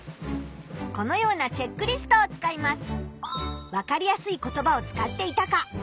このようなチェックリストを使います。